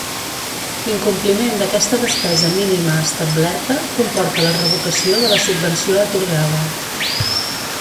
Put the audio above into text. L'incompliment d'aquesta despesa mínima establerta comporta la revocació de la subvenció atorgada.